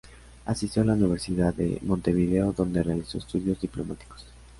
Asistió a la Universidad de Montevideo donde realizó estudios diplomáticos.